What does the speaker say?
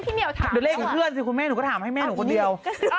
ครับเดี๋ยวเลขหนูเพื่อนเนี่ยน้านหนูก็ถามให้เนี่ยหนูคนเดียว